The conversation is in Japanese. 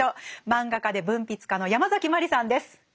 漫画家で文筆家のヤマザキマリさんです。